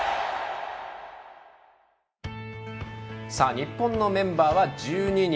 日本のメンバーは１２人。